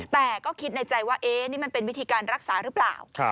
แต่ก็คิดในใจว่านี่มันเป็นวิธีการรักษาหรือเปล่า